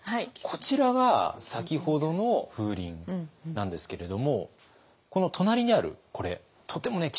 こちらが先ほどの風鈴なんですけれどもこの隣にあるこれとても貴重なものなんです。